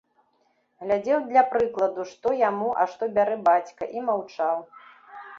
Глядзеў для прыкладу, што яму, а што бярэ бацька, і маўчаў.